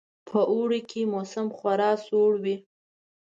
په اوړي کې یې موسم خورا سوړ وو.